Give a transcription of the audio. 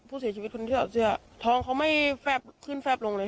ผู้เสียชีวิตคนที่เอาเสื้อท้องเขาไม่แฟบขึ้นแฟบลงเลย